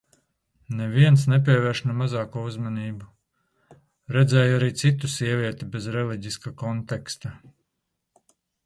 Neviens nepievērš ne mazāko uzmanību. Redzēju arī citu sievieti bez reliģiska konteksta.